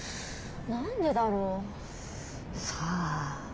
何でだろう？さあ。